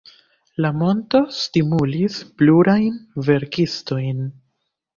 La monto stimulis plurajn verkistojn.